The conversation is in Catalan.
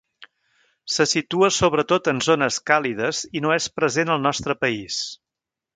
Se situa sobretot en zones càlides i no és present al nostre país.